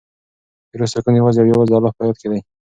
د روح سکون یوازې او یوازې د الله په یاد کې دی.